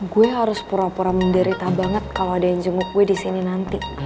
gue harus pura pura menderita banget kalo ada yang jenguk gue disini nanti